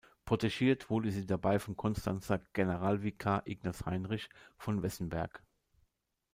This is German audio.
Protegiert wurde sie dabei vom Konstanzer Generalvikar Ignaz Heinrich von Wessenberg.